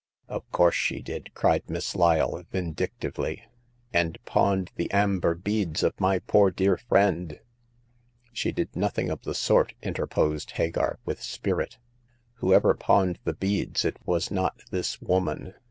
Of course she did !" cried Miss Lyle, vin dictively— and pawned the amber beads of my poor dear friend !"She did nothing of the sort !" interposed Hagar, with spirit. Whosoever pawned the beads, it was not this woman.